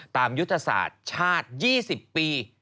ยุทธศาสตร์ชาติ๒๐ปี